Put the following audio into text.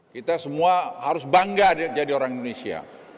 kita semua harus bangga jadi orang indonesia